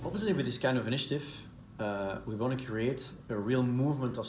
dengan inisiatif seperti ini kami ingin membuat pergerakan yang benar